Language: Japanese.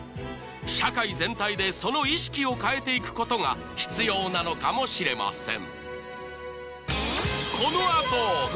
社会全体でその意識を変えていくことが必要なのかもしれません